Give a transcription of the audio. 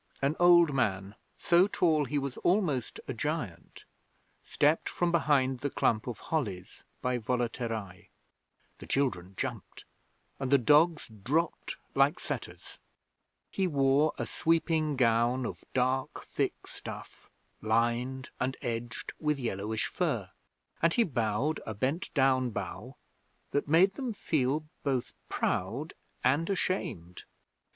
An old man, so tall he was almost a giant, stepped from behind the clump of hollies by Volaterrae. The children jumped, and the dogs dropped like setters. He wore a sweeping gown of dark thick stuff, lined and edged with yellowish fur, and he bowed a bent down bow that made them feel both proud and ashamed.